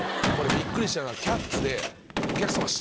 これびっくりしたのが「キャッツ」でお客様。